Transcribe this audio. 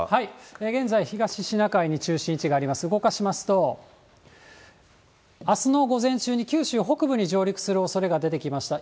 現在、東シナ海に中心位置があります、動かしますと、あすの午前中に九州北部に上陸するおそれが出てきました。